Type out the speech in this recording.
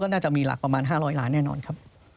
น่าจะมีหลักประมาณ๕๐๐ล้านแน่นอนครับ